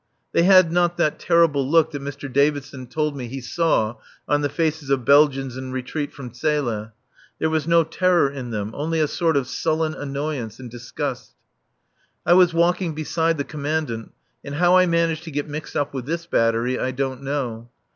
They had not that terrible look that Mr. Davidson told me he saw on the faces of Belgians in retreat from [?] Zele. There was no terror in them, only a sort of sullen annoyance and disgust. I was walking beside the Commandant, and how I managed to get mixed up with this battery I don't know.